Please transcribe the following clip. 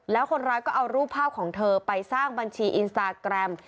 แล้วคนร้ายก็เอารูปภาพของเธอไปสร้างบัญชีอินสตาแกรม